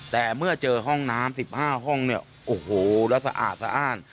แต่เมื่อเจอห้องน้ำ๑๕ห้องเนี่ยโอ้โหแล้วสะอาดสะอ้าน